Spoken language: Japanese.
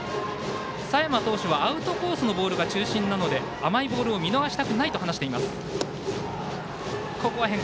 佐山投手はアウトコースのボールが中心なので甘いボールを見逃したくないと話しています。